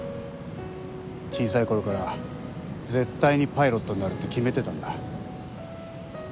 小さい頃から絶対にパイロットになるって決めてたんだ。